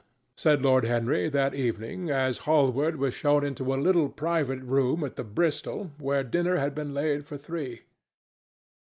said Lord Henry that evening as Hallward was shown into a little private room at the Bristol where dinner had been laid for three.